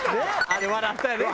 あれ笑ったよね